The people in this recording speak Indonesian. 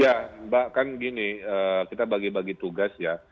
ya mbak kan gini kita bagi bagi tugas ya